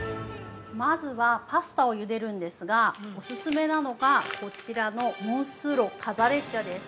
◆まずはパスタをゆでるんですが、オススメなのが、こちらのモンスーロカザレッチャです。